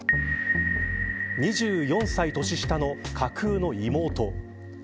２４歳年下の架空の妹。